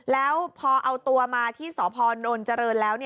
แล้วพอเอาตัวมาที่สพนเจริญแล้ว